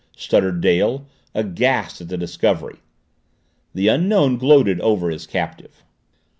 stuttered Dale, aghast at the discovery. The Unknown gloated over his captive.